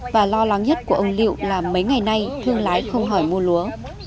và lo lắng nhất của ông liệu là mấy ngày nay thương lái không hỏi mua lúa